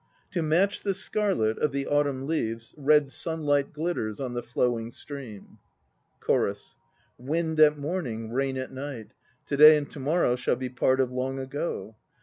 To match the scarlet Of the autumn leaves Red sunlight glitters On the flowing stream. CHORUS. Wind at morning, rain at night; To day and to morrow Shall be part of long ago.